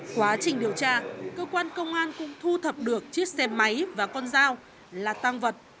quá trình điều tra cơ quan công an cũng thu thập được chiếc xe máy và con dao là tăng vật